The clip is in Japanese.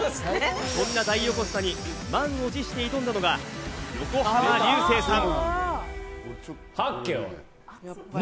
そんな手押し相撲に満を持して挑んだのが横浜流星さん。